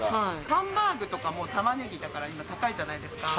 ハンバーグとかも、たまねぎとか、今、高いじゃないですか。